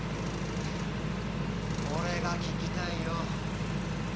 ハッ俺が聞きたいよ！